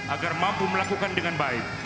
agar mampu melakukan dengan baik